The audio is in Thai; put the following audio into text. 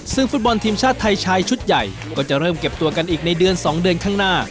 ซึ่งฟุตบอลทีมชาติไทยชายชุดใหญ่ก็จะเริ่มเก็บตัวกันอีกในเดือน๒เดือนข้างหน้า